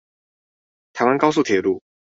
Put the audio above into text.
台灣高速鐵路